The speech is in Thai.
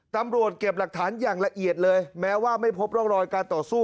ตำรวจเก็บหลักฐานอย่างละเอียดเลยแม้ว่าไม่พบร่องรอยการต่อสู้